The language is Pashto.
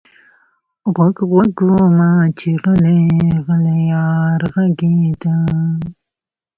غوږ، غوږ ومه چې غلـــــــی، غلـــی یار غږېده